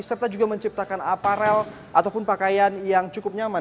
serta juga menciptakan aparel ataupun pakaian yang cukup nyaman